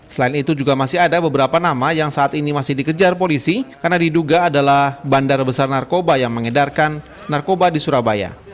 selain itu juga masih ada beberapa nama yang saat ini masih dikejar polisi karena diduga adalah bandar besar narkoba yang mengedarkan narkoba di surabaya